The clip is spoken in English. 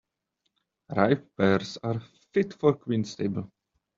Ripe pears are fit for a queen's table.